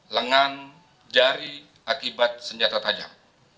lengan jari akibat senjata tajam